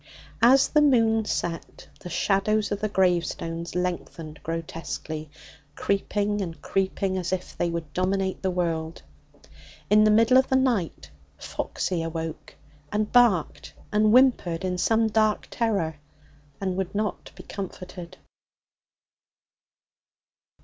As the moon set, the shadows of the gravestones lengthened grotesquely, creeping and creeping as if they would dominate the world. In the middle of the night Foxy awoke, and barked and whimpered in some dark terror, and would not be comforted.